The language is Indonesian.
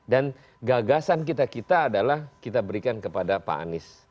dan gagasan kita kita adalah kita berikan kepada pak anies